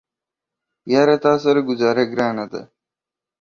یاره تاسره ګوزاره ګرانه ده